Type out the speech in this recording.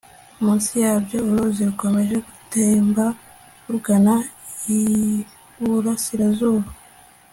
munsi yabyo uruzi rukomeje gutemba rugana iburasirazuba